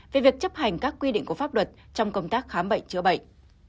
về việc chấp hành các quy định của pháp luật trong công tác khám bệnh chữa bệnh